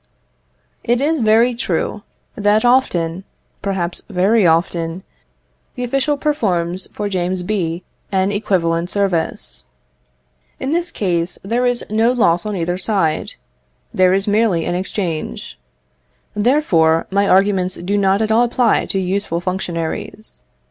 It is very true that often, perhaps very often, the official performs for James B. an equivalent service. In this case there is no loss on either side; there is merely an exchange. Therefore, my arguments do not at all apply to useful functionaries.